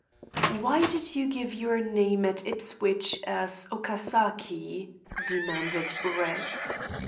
"Why did you give your name at Ipswich as Okasaki?" demanded Brett.